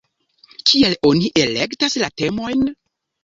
Kiel oni elektas la temojn?